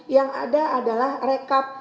yang ada adalah rekap